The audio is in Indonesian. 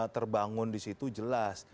terbangun disitu jelas